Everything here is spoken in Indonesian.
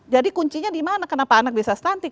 jadi kuncinya di mana kenapa anak bisa stunting